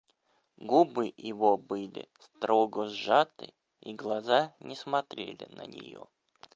Губы его были строго сжаты, и глаза не смотрели на нее.